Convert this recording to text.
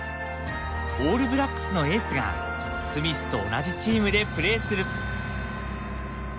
オールブラックスのエースがスミスと同じチームでプレーする。